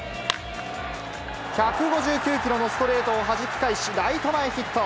１５９キロのストレートをはじき返し、ライト前ヒット。